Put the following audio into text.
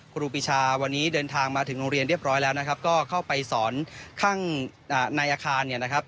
ครูปีชาวันนี้เดินทางมาถึงโรงเรียนเรียบร้อยแล้วนะครับก็เข้าไปสอนข้างในอาคารเนี่ยนะครับ